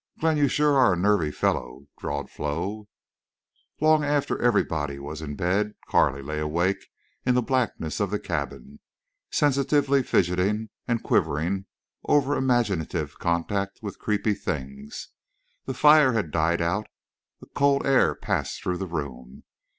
"Glenn, you shore are a nervy fellow," drawled Flo. Long after everybody was in bed Carley lay awake in the blackness of the cabin, sensitively fidgeting and quivering over imaginative contact with creeping things. The fire had died out. A cold air passed through the room.